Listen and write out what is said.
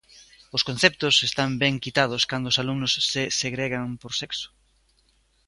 Os conceptos están ben quitados cando os alumnos se segregan por sexo.